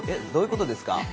どういうことですか？